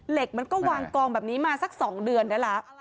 เหล็กมันก็วางกองแบบนี้มาสัก๒เดือนแล้วละไม่ได้